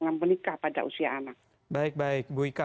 yang menikah pada usia anak baik baik bu ika